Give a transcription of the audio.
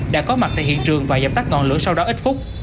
đã có mặt tại hiện trường và dập tắt ngọn lửa sau đó ít phút